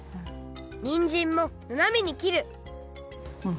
にんじんもななめにきるうん